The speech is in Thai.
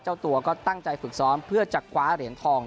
เจ้าตัวก็ตั้งใจฝึกซ้อมเพื่อจะคว้าเหรียญทอง